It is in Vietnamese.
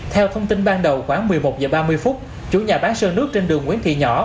theo thông tin ban đầu khoảng một mươi một h ba mươi chủ nhà bán sơn nước trên đường nguyễn thị nhỏ